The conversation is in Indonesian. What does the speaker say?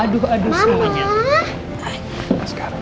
aduh aduh semuanya